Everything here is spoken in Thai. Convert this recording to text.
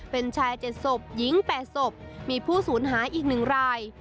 เป็นชาย๗ศพหญิง๘ศพมีผู้สูญหายอีก๑ราย